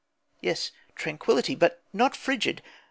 Yes, tranquillity; but not frigid!